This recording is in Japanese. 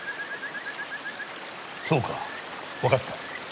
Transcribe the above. そうかわかった。